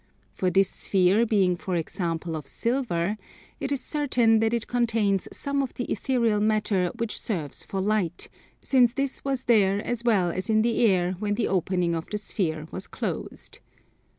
For this sphere being for example of silver, it is certain that it contains some of the ethereal matter which serves for light, since this was there as well as in the air when the opening of the sphere was closed.